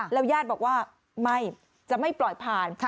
แล้วยาดบอกว่าไม่จะไม่ปล่อยผ่าน